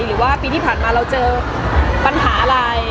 หรือว่าปีที่ผ่านมาเราเจอปัญหาอะไร